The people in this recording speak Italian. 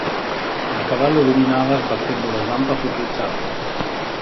Il cavallo ruminava sbattendo la zampa sul selciato.